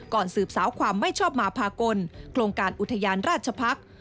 สืบสาวความไม่ชอบมาพากลโครงการอุทยานราชพักษ์